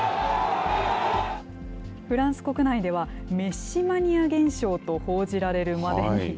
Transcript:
フランス国内では、メッシマニア現象と報じられるまでに。